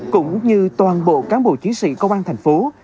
cũng như toàn bộ cán bộ chiến sĩ công an thành phố